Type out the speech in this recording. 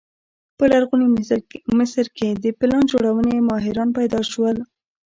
په لرغوني مصر کې د پلان جوړونې ماهران پیدا شول.